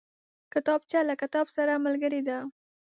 کتابچه له کتاب سره ملګرې ده